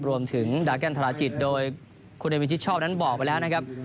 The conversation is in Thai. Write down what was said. รวมถึงดาแกนธราจิตโดยคุณเอมิชิดชอบนั้นบอกไปแล้วนะครับ